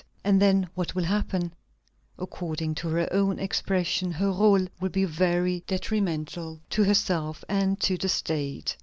And then what will happen? According to her own expression, her rôle will be very detrimental to herself and to the State.